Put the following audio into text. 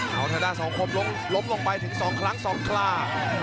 เอาถ้าได้สองครบล้มลงไปถึงสองครั้งสองคร่า